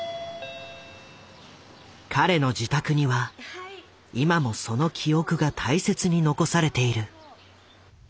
彼の自宅には今もその記憶が大切に残されている。